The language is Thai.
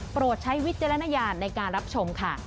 โปรดใช้วิทยาลัยนรณญาณในการรับชมค่ะ